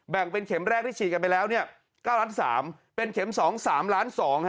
แบ่งเป็นเข็มแรกที่ฉีดกันไปแล้ว๙ล้าน๓เป็นเข็ม๒๓ล้าน๒